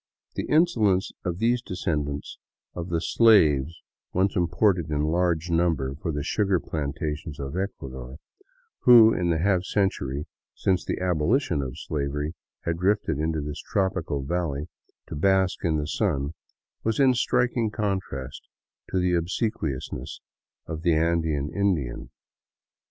The insolence of these descendants of the slaves once imported in large numbers for the sugar plantations of Ecuador, who in the half century since the abolition of slavery had drifted into this tropical valley to bask in the sun, was in striking contrast to the obsequiousness of the Andean Indian.